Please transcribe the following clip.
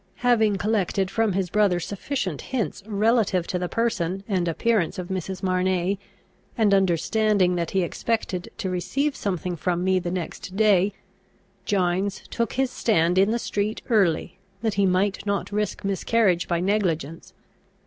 Having collected from his brother sufficient hints relative to the person and appearance of Mrs. Marney, and understanding that he expected to receive something from me the next day, Gines took his stand in the street early, that he might not risk miscarriage by negligence.